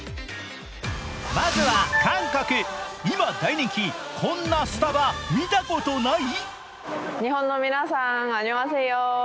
まずは韓国、今大人気、こんなスタバ見たことない？